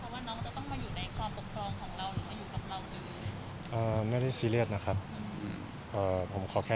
ว่าน้องจะต้องมาอยู่ในความปกครองของเรา